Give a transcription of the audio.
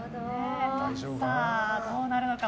さあ、どうなるのか。